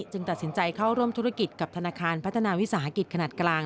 ตัดสินใจเข้าร่วมธุรกิจกับธนาคารพัฒนาวิสาหกิจขนาดกลาง